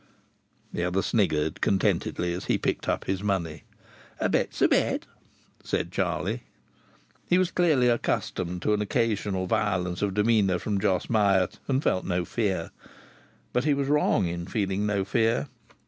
The other sniggered contentedly as he picked up his money. "A bet's a bet," said Charlie. He was clearly accustomed to an occasional violence of demeanour from Jos Myatt, and felt no fear. But he was wrong in feeling no fear.